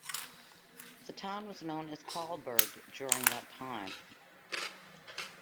The town was known as Kahlberg during that time.